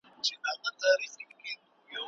د روغتیا ساتنه د هرې کورنۍ مهم مسؤلیت دی.